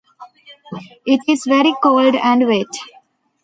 It is very cold and wet.